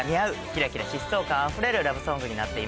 キラキラ疾走感あふれるラブソングになっています。